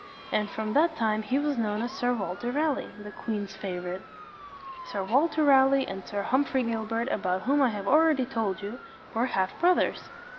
And from that time he was known as Sir Walter Raleigh, the queen's favorite. Sir Walter Raleigh and Sir Humphrey Gilbert about whom I have already told you, were half broth ers.